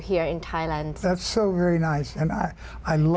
ฉันไม่แผ่นลายเฉลิมนี้